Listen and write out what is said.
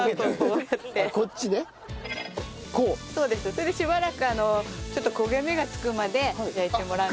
それでしばらく焦げ目がつくまで焼いてもらって。